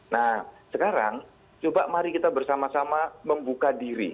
nah sekarang coba mari kita bersama sama membuka diri